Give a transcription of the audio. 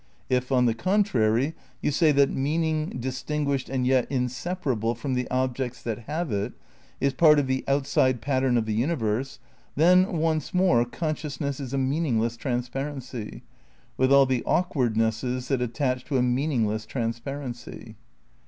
If, on the contrary, you say that meaning, distin gaished and yet inseparable from the objects that "have" it, is part of the outside pattern of the uni verse, then, once more, consciousness is a meaningless transparency, with all the awkwardnesses that attach to a meaningless transparency.